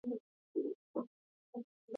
Each bout lasts seven minutes maximum.